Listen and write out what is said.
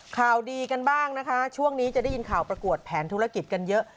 ข่าวดีกันบ้างนะคะช่วงนี้จะได้ยินข่าวประกวดแผนธุรกิจกันเยอะ